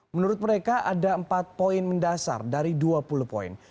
menurut mereka ada empat poin mendasar dari dua puluh poin